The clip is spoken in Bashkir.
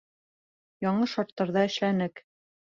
Яңы шарттарҙа эшләнек.